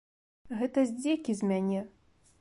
Гэта здзекі з мяне.